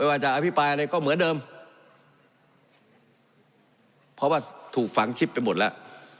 ว่าจะอภิปรายอะไรก็เหมือนเดิมเพราะว่าถูกฝังชิบไปหมดแล้ว